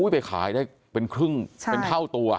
ไปขายได้เป็นครึ่งเป็นเท่าตัว